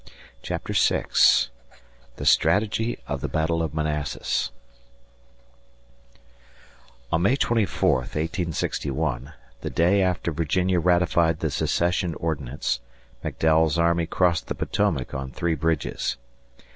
CHAPTER VI THE STRATEGY OF THE BATTLE OF MANASSAS ON May 24, 1861, the day after Virginia ratified the Secession Ordinance, McDowell's army crossed the Potomac on three bridges.